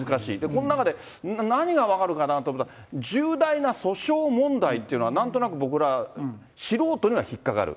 この中で何が分かるかなと思ったら、重大な訴訟問題っていうのはなんとなく、僕ら素人には引っ掛かる。